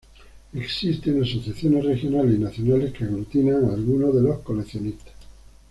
Existen asociaciones regionales y nacionales que aglutinan a algunos de los coleccionistas.